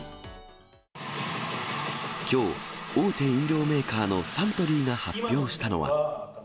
きょう、大手飲料メーカーのサントリーが発表したのは。